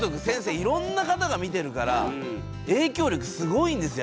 いろんな方が見てるから影響力すごいんですよ